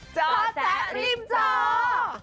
เจ้าแจ๊กริมเจ้า